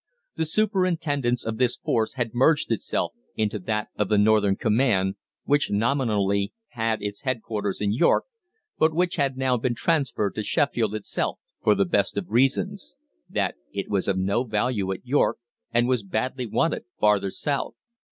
The superintendence of this force had merged itself into that of the Northern Command, which nominally had its headquarters in York, but which had now been transferred to Sheffield itself, for the best of reasons that it was of no value at York, and was badly wanted farther south.